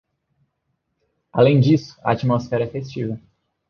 Além disso, a atmosfera é festiva.